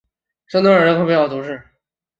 圣若达尔人口变化图示